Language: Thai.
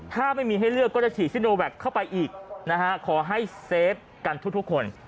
ถ้าไม่มีให้เลือกก็จะฉีดซิโนแวคเข้าไปอีกนะฮะขอให้เซฟกันทุกคน